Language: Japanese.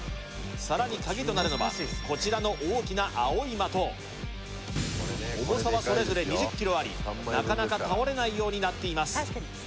さらにカギとなるのはこちらの大きな青い的重さはそれぞれ２０ｋｇありなかなか倒れないようになっています